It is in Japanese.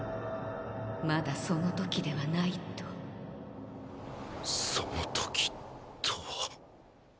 「まだその時ではない」とその時とは？